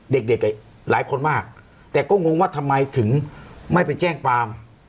เด็กเด็กหลายคนมากแต่ก็งงว่าทำไมถึงไม่ไปแจ้งความ